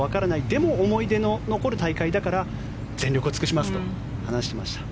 でも、思い出の残る大会だから全力を尽くしますと話しました。